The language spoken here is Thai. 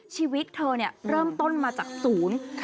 ชีวิตเธอเริ่มต้นมาจากศูนย์